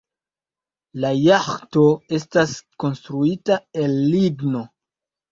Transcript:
La jaĥto estas konstruita el ligno.